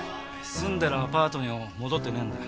住んでるアパートにも戻ってねえんだ。